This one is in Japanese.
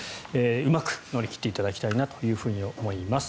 うまく乗り切っていただきたいと思います。